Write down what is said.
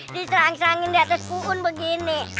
diserang serangin di atas puun begini